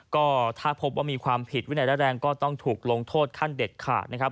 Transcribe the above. ก็ถ้าพบว่ามีความผิดวินัยร้ายแรงก็ต้องถูกลงโทษขั้นเด็ดขาดนะครับ